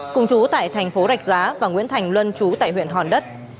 cùng chú tại thành phố rạch giá và nguyễn thành luân chú tại huyện hòn đất